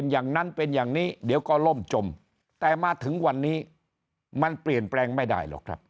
อย่างนี้เดี๋ยวก็ล่มจมแต่มาถึงวันนี้มันเปลี่ยนแปลงไม่ได้หรอกครับ